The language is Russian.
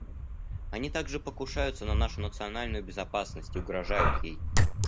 Они также покушаются на нашу национальную безопасность и угрожают ей.